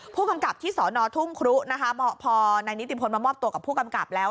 ผู้กำกับที่สอนอทุ่งครุนะคะพอนายนิติพลมามอบตัวกับผู้กำกับแล้ว